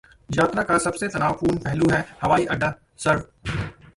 यात्रा का सबसे तनावपूर्ण पहलू है हवाईअड्डा: सर्वे